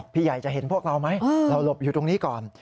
พี่ใหญ่จะเห็นพวกเราไหมเราหลบอยู่ตรงนี้ก่อน